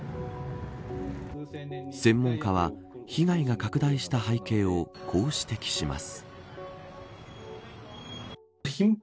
専門家は、被害が拡大した背景をこう指摘します。